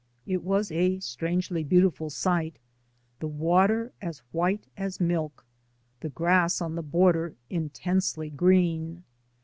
It was a strangely beautiful sight — the water as white as milk, the grass on the border in tensely green.